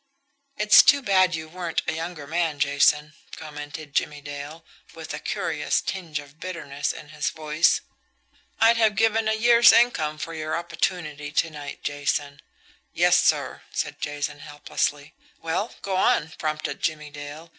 "It's too bad you weren't a younger man, Jason," commented Jimmie Dale, with a curious tinge of bitterness in his voice. "I'd have given a year's income for your opportunity to night, Jason." "Yes, sir," said Jason helplessly. "Well, go on," prompted Jimmie Dale.